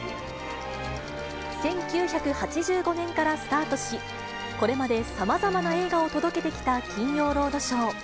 １９８５年からスタートし、これまでさまざまな映画を届けてきた金曜ロードショー。